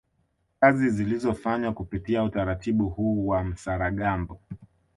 Kazi zilizofanywa kupitia utaratibu huu wa msaragambo